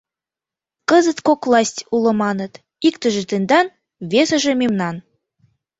Кызыт кок власть уло маныт, иктыже — тендан, весыже — мемнан.